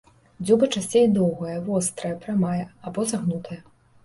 Дзюба часцей доўгая, вострая, прамая або загнутая.